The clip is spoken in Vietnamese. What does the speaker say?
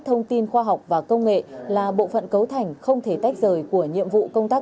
thông tin khoa học và công nghệ là bộ phận cấu thành không thể tách rời của nhiệm vụ công tác